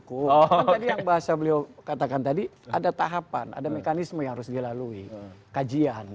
kan tadi yang bahasa beliau katakan tadi ada tahapan ada mekanisme yang harus dilalui kajian